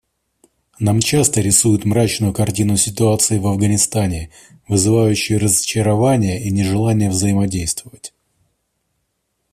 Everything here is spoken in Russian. Нам часто рисуют мрачную картину ситуации в Афганистане, вызывающую разочарование и нежелание взаимодействовать.